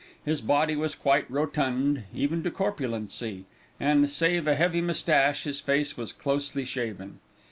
His body was quite rotund, even to corpulency; and, save a heavy moustache, his face was closely shaven.